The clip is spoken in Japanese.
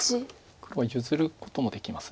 黒は譲ることもできます。